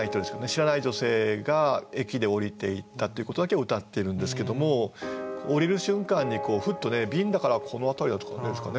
知らない女性が驛で下りていったっていうことだけをうたってるんですけども下りる瞬間にふっとね鬢だからこの辺りですかね